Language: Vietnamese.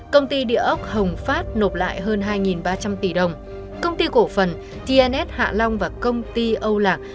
công ty địa ốc hồng phát nộp lại hơn hai ba trăm linh tỷ đồng công ty cổ phần tns hạ long và công ty âu lạc